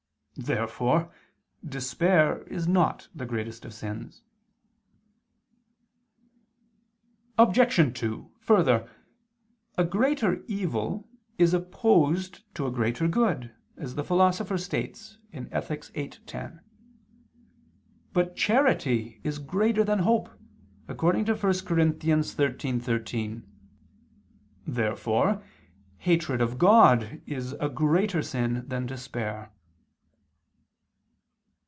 Therefore despair is not the greatest of sins. Obj. 2: Further, a greater evil is opposed to a greater good, as the Philosopher states (Ethic. viii, 10). But charity is greater than hope, according to 1 Cor. 13:13. Therefore hatred of God is a greater sin than despair.